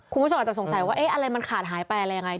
คุณผู้ชมอาจจะสงสัยว่าอะไรมันขาดหายไปอะไรยังไง